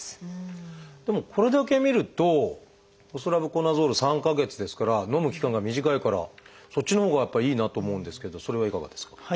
でもこれだけ見るとホスラブコナゾール３か月ですからのむ期間が短いからそっちのほうがやっぱりいいなと思うんですけどそれはいかがですか？